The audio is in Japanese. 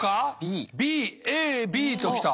ＢＡＢと来た。